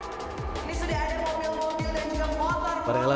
ini sudah ada mobil mobil dan juga motor